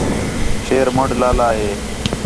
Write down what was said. شیر منݙ لالا ہِے